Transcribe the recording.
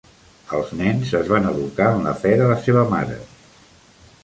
Els nens es van educar en la fe de la seva mare.